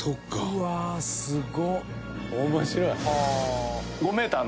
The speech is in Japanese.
うわーすごっ！